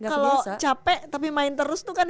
kalau capek tapi main terus tuh kan